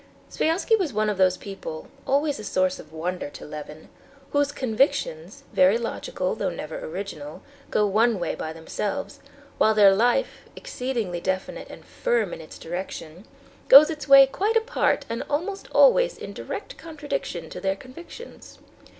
Sviazhsky was one of those people, always a source of wonder to Levin, whose convictions, very logical though never original, go one way by themselves, while their life, exceedingly definite and firm in its direction, goes its way quite apart and almost always in direct contradiction to their convictions.